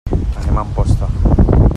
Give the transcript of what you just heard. Anem a Amposta.